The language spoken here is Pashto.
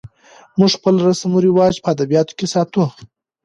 موږ خپل رسم و رواج په ادبیاتو کې ساتو.